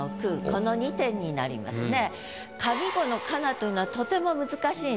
この２点になりますね。